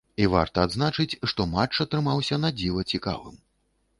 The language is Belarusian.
І варта адзначыць, што матч атрымаўся надзіва цікавым.